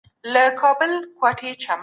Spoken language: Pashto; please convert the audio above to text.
فشار باید جدي ونیول شي.